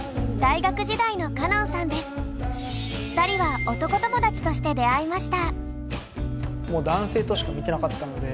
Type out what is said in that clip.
２人は男友達として出会いました。